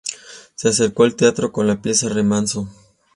Se acercó al teatro con la pieza "Remanso.